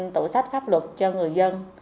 tổ sách pháp luật cho người dân